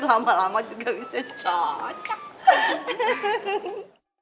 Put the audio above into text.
lama lama juga bisa cocok